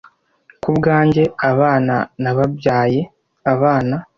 Kubwanjye abana nababyaye abana.